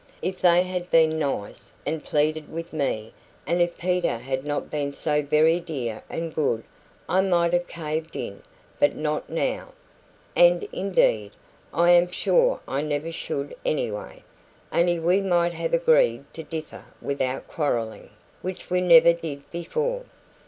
If they had been nice, and pleaded with me, and if Peter had not been so VERY dear and good, I might have caved in; but not now. And indeed, I am sure I never should anyway, only we might have agreed to differ without quarrelling, which we never did before.